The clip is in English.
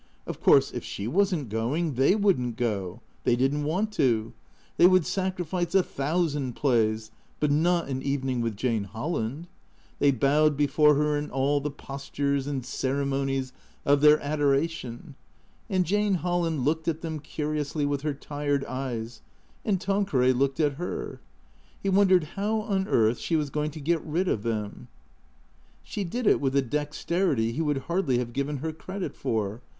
Of course, if she wasn't going, they wouldn't go. They didn't want to. They would sacrifice a thousand plays, but not an evening with Jane Holland. They bowed before her in all the postures and ceremonies of their adoration. And Jane Holland looked at them curiously with her tired eyes; and Tanqueray looked at her. He wondered how on earth she was going to get rid ol them. She did it with a dexterity he would hardly have given her credit for.